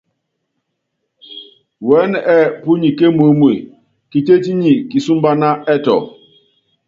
Wɛɛ́nɛ ɛ́ɛ́ púnyi kémuémue, Kitétí nyi kisúmbána ɛtɔ.